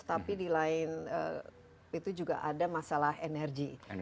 tapi di lain itu juga ada masalah energi